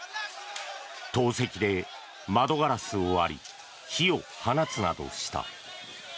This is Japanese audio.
投石で窓ガラスを割り火を放つなどした。